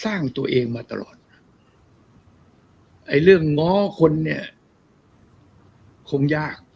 สร้างตัวเองมาตลอดไอ้เรื่องง้อคนเนี่ยคงยาก